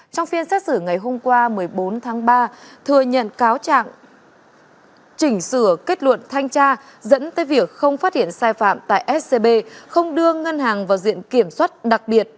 trong phiên xét xử ngày hôm qua một mươi bốn tháng ba thừa nhận cáo trạng chỉnh sửa kết luận thanh tra dẫn tới việc không phát hiện sai phạm tại scb không đưa ngân hàng vào diện kiểm soát đặc biệt